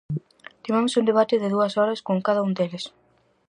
Tivemos un debate de dúas horas con cada un deles.